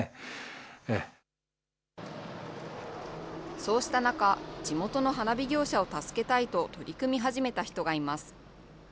そうした中、地元の花火業者を助けたいと取り組み始めた人がいます。